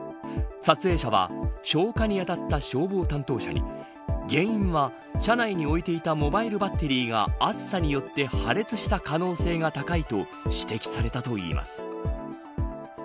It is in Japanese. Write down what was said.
撮影者は消火に当たった消防担当者に原因は車内に置いていたモバイルバッテリーが暑さによって破裂した可能性が高いと指摘されたといいます。